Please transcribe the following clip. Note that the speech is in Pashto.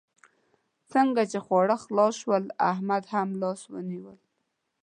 څنګه چې خواړه خلاص شول؛ احمد هم لاس ونيول.